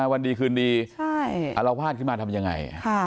อัลโหว่านขึ้นมาทำยังไง